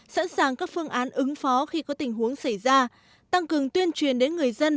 sẵn sàng các phương án ứng phó khi có tình huống xảy ra tăng cường tuyên truyền đến người dân